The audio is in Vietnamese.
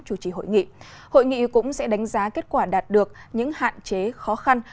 chủ trì hội nghị hội nghị cũng sẽ đánh giá kết quả đạt được những hạn chế khó khăn